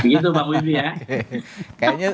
begitu pak wimie ya